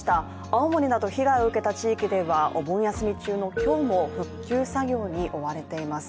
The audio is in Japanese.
青森など被害を受けた地域ではお盆休み中の今日も復旧作業に追われています。